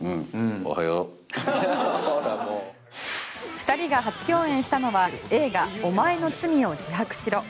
２人が初共演したのは映画「おまえの罪を自白しろ」。